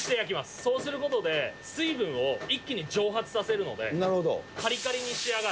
そうすることで、水分を一気に蒸発させるので、かりかりに仕上がる。